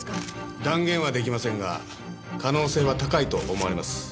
断言は出来ませんが可能性は高いと思われます。